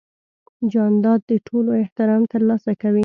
جانداد د ټولو احترام ترلاسه کوي.